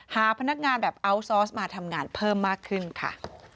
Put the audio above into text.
หาพนักงานแบบอัลซอสมาทำงานเพิ่มมากขึ้นค่ะ